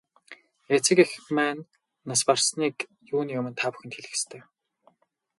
Эцэг эх маань нас барсныг юуны өмнө та бүхэнд хэлэх ёстой.